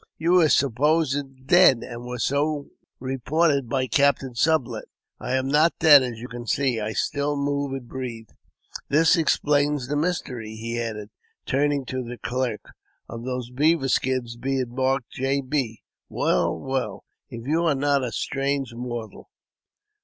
You were supposed dead, and were so re ported by Captain Sublet." *' I am not dead, as you see ; I still move and breathe." " This explains the mystery," he added, turning to the clerk, "of those beaver skins being marked 'J. B.' Well, well! if you are not a strange mortal